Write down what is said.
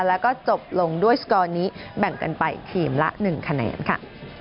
แล้วก็จบลงด้วยสกอร์นี้แบ่งกันไปทีมละ๑คะแนนค่ะ